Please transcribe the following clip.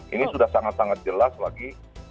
ini sudah sangat sangat jelas lagi